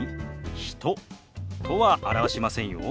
「人」とは表しませんよ。